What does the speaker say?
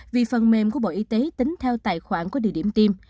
vì phần mềm của bộ y tế tính theo tài khoản của địa điểm tiêm